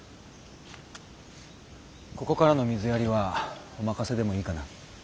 ここからの水やりはお任せでもいいかな。